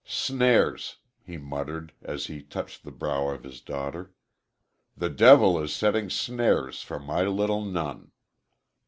"Snares!" he muttered, as he touched the brow of his daughter. "The devil is setting snares for my little nun."